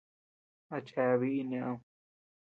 ¿A chea biʼi neʼed.?